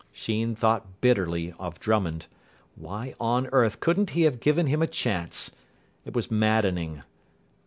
Sheen thought bitterly of Drummond. Why on earth couldn't he have given him a chance. It was maddening.